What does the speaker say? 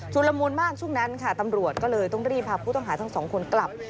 ละมุนมากช่วงนั้นค่ะตำรวจก็เลยต้องรีบพาผู้ต้องหาทั้งสองคนกลับ